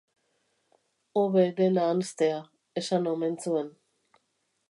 Hobe dena ahanztea, esan omen zuen.